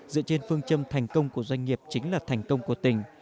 dựa trên phương châm thành công của doanh nghiệp chính là thành công của tỉnh